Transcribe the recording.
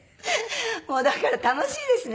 もうだから楽しいですね。